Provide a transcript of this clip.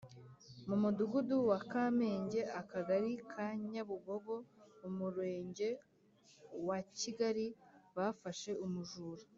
mu Mudugudu wa Kamenge Akagari ka Nyabugogo Umurenge wa Kigali bafashe umujura.